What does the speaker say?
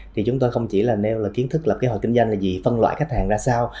thì chúng tôi không chỉ là nêu là kiến thức lập kế hoạch kinh doanh là gì phân loại khách hàng ra sao